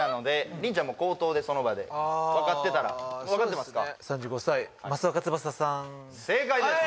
もう口頭でその場でわかってたらわかってますか？